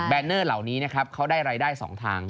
เนอร์เหล่านี้นะครับเขาได้รายได้๒ทาง